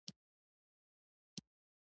که ځان بې باوره راته ښکاري خپل آواز لوړوم.